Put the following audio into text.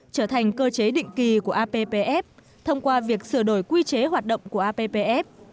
trở thành cơ chế định kỳ của appf thông qua việc sửa đổi quy chế hoạt động của appf